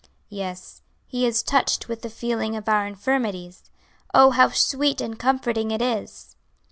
"Yes, He is touched with the feeling of our infirmities. Oh, how sweet and comforting it is!"